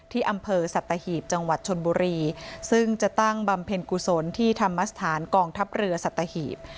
ที่อำเภอสัตหีบจังหวัดชนบุรีซึ่งจะตั้งบำเพ็ญกุศลที่ธรรมสถานกองทัพเรือสัตหีบ